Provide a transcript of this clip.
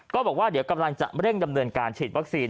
บอกว่าเดี๋ยวกำลังจะเร่งดำเนินการฉีดวัคซีน